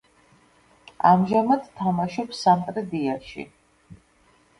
ამჟამად თამაშობს „სამტრედიაში“.